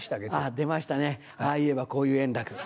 出ましたねああ言えばこう言う円楽。